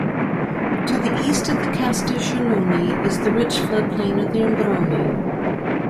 To the East of Castiglione is the rich floodplain of the Ombrone.